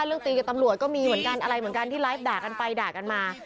ตีกับตำรวจก็มีเหมือนกันอะไรเหมือนกันที่ไลฟ์ด่ากันไปด่ากันมา